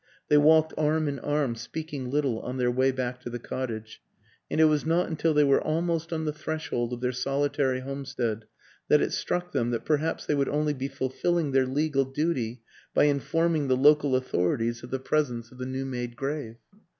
They walked arm in arm, speaking little, on their way back to the cottage, and it was not until they were almost on the threshold of their solitary homestead that it struck them that perhaps they would only be fulfilling their legal duty by in forming the local authorities of the presence of WILLIAM AN ENGLISHMAN 73 the new made grave.